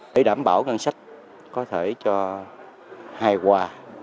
để đảm bảo ngân sách có thể cho hai quà